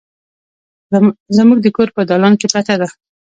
زموږ د کور په دالان کې پرته ده